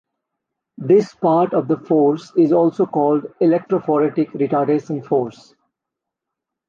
This part of the force is also called electrophoretic retardation force.